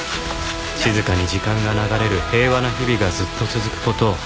静かに時間が流れる平和な日々がずっと続く事を